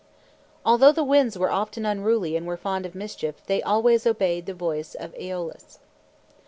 Although the Winds were often unruly and were fond of mischief, they always obeyed the voice of Eolus.